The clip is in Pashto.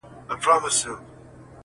د سورلنډیو انګولا به پښتانه بېروي.!